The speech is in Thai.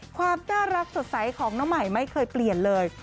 ความน่ารักสดใสของน้องใหม่ไม่เคยเปลี่ยนเลย